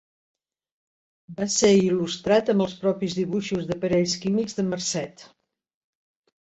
Va ser il·lustrat amb els propis dibuixos d'aparells químics de Marcet.